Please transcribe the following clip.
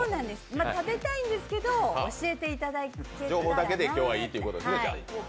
まあ食べたいんですけど教えていただけたらなって。